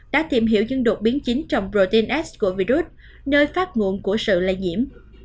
đã tìm hiểu những đột biến chính trong protin s của virus nơi phát nguồn của sự lây nhiễm